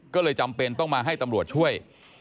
ก็เลยจำเป็นต้องมาให้ตำรวจช่วย